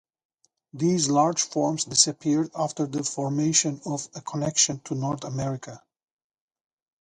These large forms disappeared after the formation of a connection to North America.